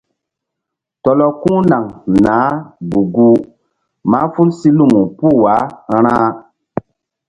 Tɔlɔ ku̧ naŋ naah gu-guh mahful si lumu puh wah ra̧.